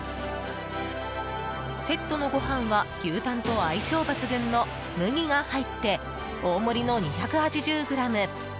セットのご飯は牛タンと相性抜群の麦が入って大盛りの２８０ｇ。